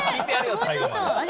もうちょっとあれ？